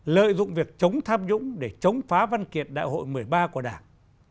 hai lợi dụng việc chống tham dũng để chống phá văn kiện đại hội một mươi ba của đảng